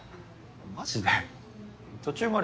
マジで？